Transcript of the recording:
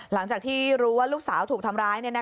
หลังจากที่รู้ว่าลูกสาวถูกทำร้าย